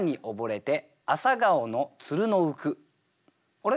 あれ？